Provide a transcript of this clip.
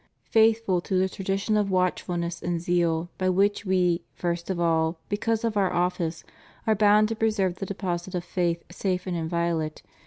Faithful to the tradition of watchfulness and zeal by which We, first of all, because of Our office, are bound to preserve the deposit of faith safe and inviolate.